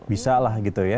bisa lah gitu ya